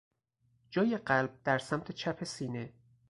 جای قلب در سمت چپ سینه